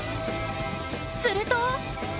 すると！